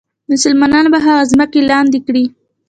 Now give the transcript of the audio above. مسلمانان به هغه ځمکې لاندې کړي.